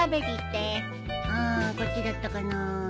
うんこっちだったかなあ？